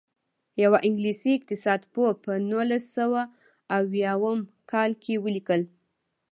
یوه انګلیسي اقتصاد پوه په نولس سوه اویاووه کال کې ولیکل.